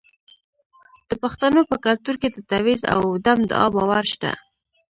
د پښتنو په کلتور کې د تعویذ او دم دعا باور شته.